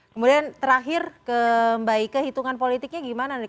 kemudian terakhir ke mbak ike hitungan politiknya gimana nih